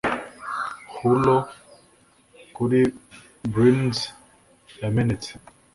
huloo, kuri bryns yamenetse,